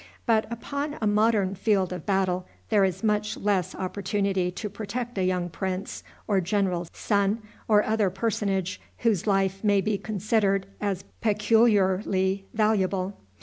But upon a modern field of battle there is much less opportunity to protect a young prince or general's son, or other personage whose life may be considered as peculiarly valuable.